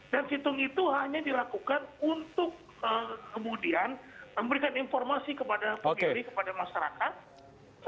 dan situng itu hanya dilakukan untuk kemudian memberikan informasi kepada pemilih kepada masyarakat